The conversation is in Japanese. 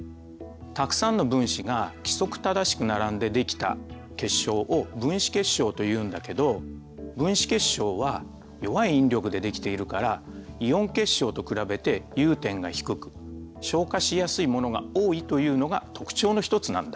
たくさんの分子が規則正しく並んでできた結晶を分子結晶というんだけど分子結晶は弱い引力でできているからイオン結晶と比べて融点が低く昇華しやすいものが多いというのが特徴のひとつなんだ。